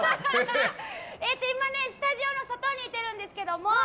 今、スタジオの外にいてるんですけども。